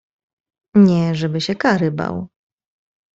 Nie, żeby się kary bał.